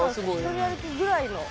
一人歩きぐらいの。